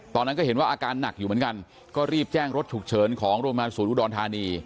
ตอนนั้นก็เห็นว่าอาการหนักอยู่เหมือนกันก็รีบแจ้งรถฉุกเฉินของโรงพยาบาลศูนย์อุดรธานี